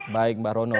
baik mbah rono